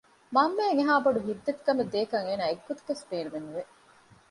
މަންމައަށް އެހާ ބޮޑު ހިތްދަތިކަމެއް ދޭކަށް އޭނާ އެއްގޮތަކަށްވެސް ބޭނުމެއް ނުވެ